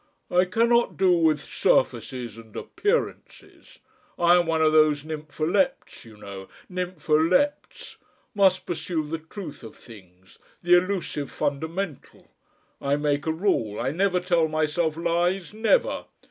"I cannot do with surfaces and appearances. I am one of those nympholepts, you know, nympholepts ... Must pursue the truth of things! the elusive fundamental ... I make a rule, I never tell myself lies never.